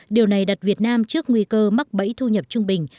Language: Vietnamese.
điều này đặt việt nam trước nguy cơ mắc bẫy thu nhập trung bình